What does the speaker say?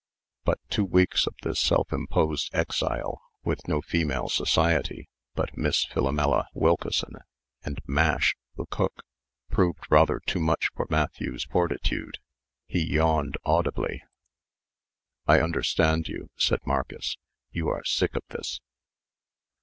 But two weeks of this self imposed exile with no female society but Miss Philomela Wilkeson, and Mash, the cook proved rather too much for Matthew's fortitude. He yawned audibly. "I understand you," said Marcus; "you are sick of this."